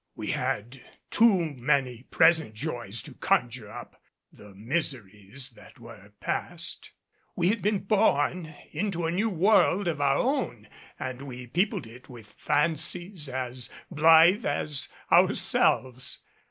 We had too many present joys to conjure up the miseries that were past. We had been born into a new world of our own and we peopled it with fancies as blithe as ourselves.